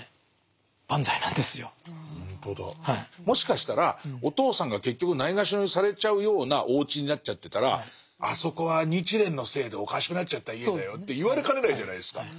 もしかしたらお父さんが結局ないがしろにされちゃうようなおうちになっちゃってたらあそこは日蓮のせいでおかしくなっちゃった家だよって言われかねないじゃないですか。